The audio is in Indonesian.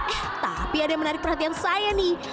hmm tapi ada yang menarik perhatian saya nih